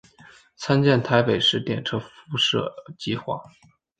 参见台北市电车敷设计画。